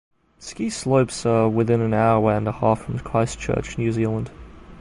The ski slopes are within an hour and a half from Christchurch New Zealand.